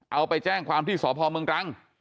เอาไปแจ้งความที่สพเมืองตรัง